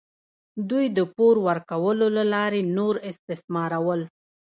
دوی د پور ورکولو له لارې نور استثمارول.